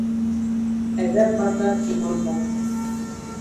Әҙәп барҙа иман бар